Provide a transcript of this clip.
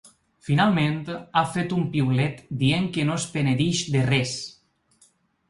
Finalment, ha fet un piulet dient que no es penedeix de res.